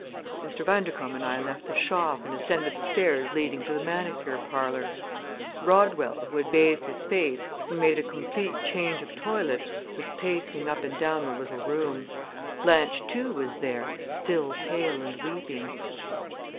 Mr. Bundercombe and I left the shop and ascended the stairs leading to the manicure parlor. Rodwell, who had bathed his face and made a complete change of toilet, was pacing up and down the little room. Blanche, too, was there, still pale and weeping.